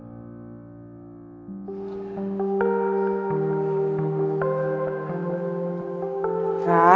sudah selesai duluan saja